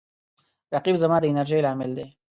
رقیب زما د انرژۍ لامل دی